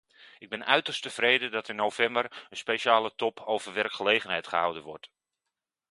Ik ben uiterst tevreden dat in november een speciale top over werkgelegenheid gehouden wordt.